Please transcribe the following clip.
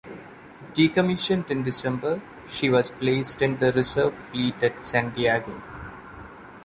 Decommissioned in December, she was placed in the Reserve Fleet at San Diego.